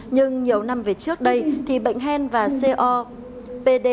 nhưng nhiều năm về trước đây thì bệnh hen và copd